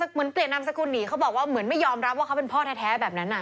เปลี่ยนนามสกุลหนีเขาบอกว่าเหมือนไม่ยอมรับว่าเขาเป็นพ่อแท้แบบนั้น